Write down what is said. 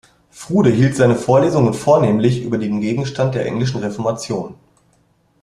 Froude hielt seine Vorlesungen vornehmlich über den Gegenstand der englischen Reformation.